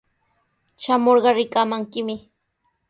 Shamurqa rikamankimi.